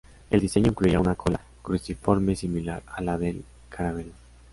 El diseño incluía una cola cruciforme similar a la del Caravelle.